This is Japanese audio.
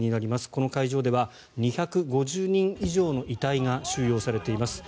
この会場では２５０人以上の遺体が収容されています。